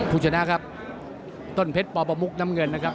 ผู้ชนะครับต้นเพชรปประมุกน้ำเงินนะครับ